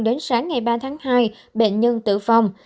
đến sáng ngày ba tháng hai bệnh nhân tử vong